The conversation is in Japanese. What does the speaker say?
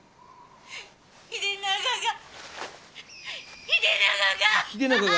「秀長が秀長が！」。